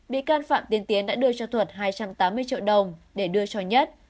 bị can phạm tiến tiến đã đưa cho thuận hai trăm tám mươi triệu đồng để đưa cho nhất